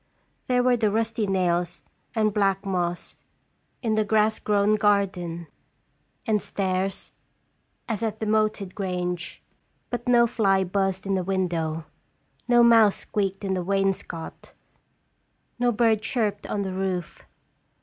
There were the rusty nails and black moss in the grass grown garden, and 312 "Sir* llje JEeafr stairs, as at the "moated grange"; but no fly buzzed in the window, no mouse squeaked in the wainscot, no bird chirped on the roof.